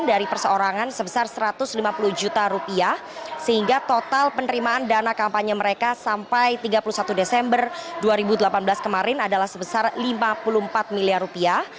dari perseorangan sebesar satu ratus lima puluh juta rupiah sehingga total penerimaan dana kampanye mereka sampai tiga puluh satu desember dua ribu delapan belas kemarin adalah sebesar lima puluh empat miliar rupiah